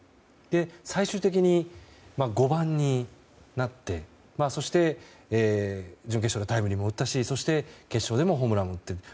最終的に５番になってそして、準決勝でタイムリーも打ったしそして決勝でもホームランを打って。